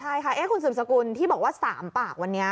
ใช่ค่ะคุณสืบสกุลที่บอกว่า๓ปากวันนี้